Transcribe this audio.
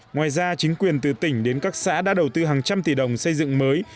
ngoài ra chính quyền từ tỉnh đến các xã đã đầu tư hàng trăm tỷ đồng xây dựng mới